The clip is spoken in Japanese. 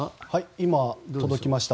今、届きました。